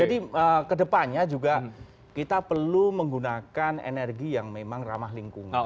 jadi ke depannya juga kita perlu menggunakan energi yang memang ramah lingkungan